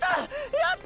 やった。